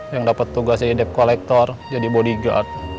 yang dapet tugas jadi dep kolektor jadi bodyguard